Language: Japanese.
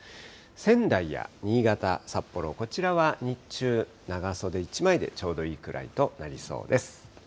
仙台や新潟、札幌、こちらは日中、長袖１枚でちょうどいいくらいとなりそうです。